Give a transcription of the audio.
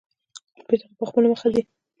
بېرته په خپله مخه ځي.